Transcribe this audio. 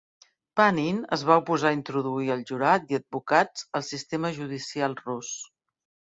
Panin es va oposar a introduir el jurat i advocats al sistema judicial rus.